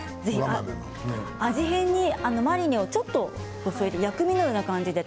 味変にマリネをちょっと薬味みたいな感じで。